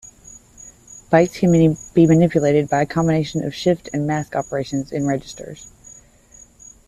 Bytes can be manipulated by a combination of shift and mask operations in registers.